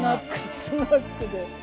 スナックで。